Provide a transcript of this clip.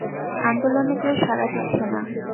আন্দোলনে কেউ সাড়া দিচ্ছে না।